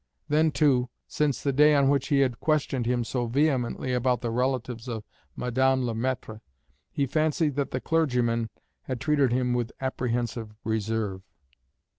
Then, too, since the day on which he had questioned him so vehemently about the relatives of Madame Le Maître, he fancied that the clergyman had treated him with apprehensive reserve.